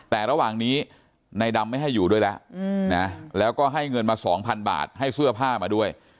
แต่ระหว่างนี้ในดำไม่ให้อยู่ด้วยแล้วนะแล้วก็ให้เงินมา๒๐๐บาทให้เสื้อผ้ามาด้วย